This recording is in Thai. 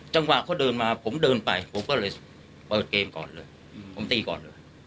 จังหวะเขาเดินมาผมเดินไปผมก็เลยเปิดเกมก่อนเลยผมตีก่อนเลย